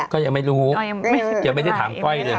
ก็ยังไม่รู้ยังไม่ได้ถามก้อยเลย